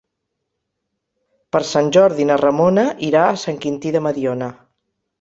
Per Sant Jordi na Ramona irà a Sant Quintí de Mediona.